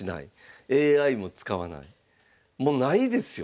もうないですよ